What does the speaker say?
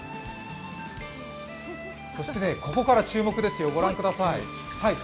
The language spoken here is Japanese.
そしてここから注目ですよ、御覧ください。